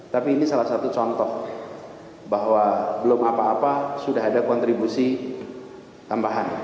tapi ini salah satu contoh bahwa belum apa apa sudah ada kontribusi tambahan